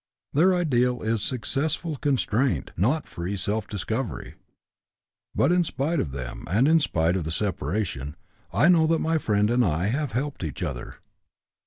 Their ideal is successful constraint, not free self discovery. But in spite of them, and in spite of the separation, I know that my friend and I have helped each other.